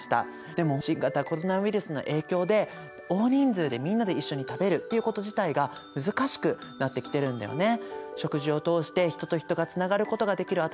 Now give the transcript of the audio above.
でも新型コロナウイルスの影響で大人数でみんなで一緒に食べるっていうこと自体が難しくなってきてるんだよね。